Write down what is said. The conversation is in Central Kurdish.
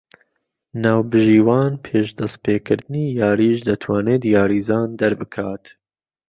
ناوبژیوان پێش دهستپێکردنی یاریش دهتوانێت یاریزان دهربکات